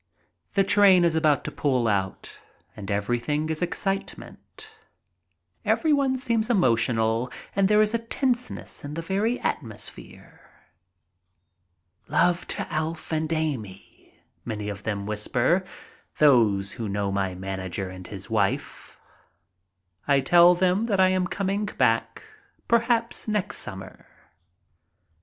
The train is about to pull out and everything is excite ment. Everyone seems emotional and there is a tense ness in the very atmosphere. "Love to Alf and Amy," many of them whisper, those who know my manager and his wife. I tell them that I am coming back, perhaps next summer.